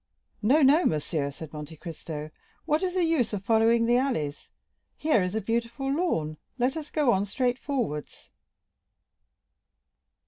"No, no, monsieur," said Monte Cristo. "What is the use of following the alleys? Here is a beautiful lawn; let us go on straight forwards."